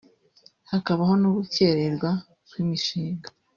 hakabaho no gukererwa kw’imishinga